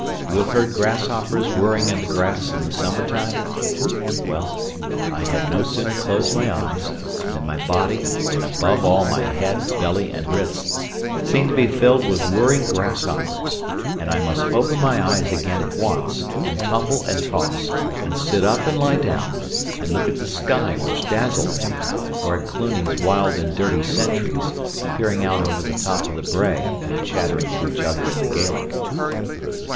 You have heard grasshoppers whirring in the grass in the summer time? Well, I had no sooner closed my eyes, than my body, and above all my head, belly, and wrists, seemed to be filled with whirring grasshoppers; and I must open my eyes again at once, and tumble and toss, and sit up and lie down; and look at the sky which dazzled me, or at Cluny's wild and dirty sentries, peering out over the top of the brae and chattering to each other in the Gaelic.